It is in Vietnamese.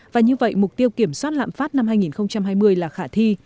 và như vậy mục tiêu kiểm soát lạm phát năm hai nghìn hai mươi là khả thi